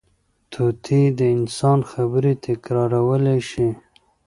طوطي د انسان خبرې تکرارولی شي